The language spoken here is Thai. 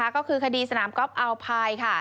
ก็คือคดีสนามก๊อฟอัลพาย